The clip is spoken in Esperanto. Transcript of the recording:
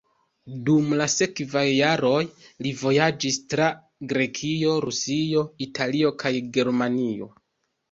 Dum la sekvaj jaroj li vojaĝis tra Grekio, Rusio, Italio kaj Germanio.